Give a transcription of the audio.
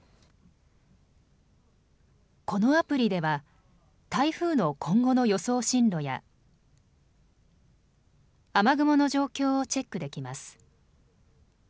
このアプリでは台風の今後の予想進路や雨雲の状況をチェックできます。